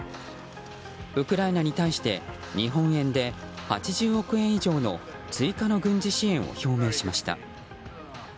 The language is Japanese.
ウクライナに対して日本円で８０億円以上の追加の軍事支援を表明しました。